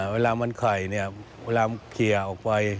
เวลามันไข่เนี่ยเวลาเคลียร์ออกไป